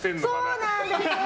そうなんです！